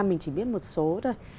mình chỉ biết một số thôi